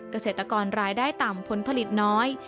เกษตรกรรายได้ต่ำผลผลิตน้อย